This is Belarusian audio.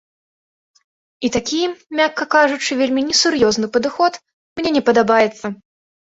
І такі, мякка кажучы, вельмі несур'ёзны падыход мне не падабаецца.